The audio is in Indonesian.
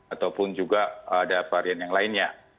ataupun juga ada varian yang lainnya